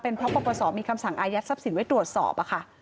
เพราะปปศมีคำสั่งอายัดทรัพย์สินไว้ตรวจสอบค่ะ